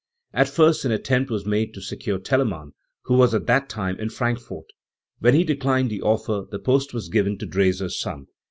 At first an attempt was made to secure Telemann, who was at that time in Frank fort. When he declined the offer, the post was given to Drese's son.